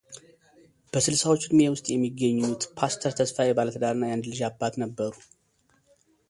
በ ስልሳዎቹ ዕድሜ ውስጥ የሚገኙት ፓስተር ተስፋዬ ባለትዳርና የአንድ ልጅ አባት ነበሩ።